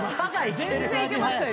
全然いけましたよ